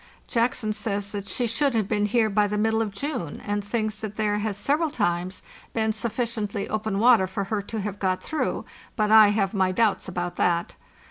Jackson says that she should have been here by the middle of June, and thinks that there has several times been sufficiently open water for her to have got through; but I have my doubts about that.